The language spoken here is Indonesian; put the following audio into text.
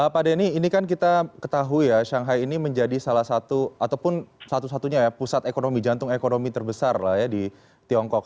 pak denny ini kan kita ketahui ya shanghai ini menjadi salah satu ataupun satu satunya ya pusat ekonomi jantung ekonomi terbesar lah ya di tiongkok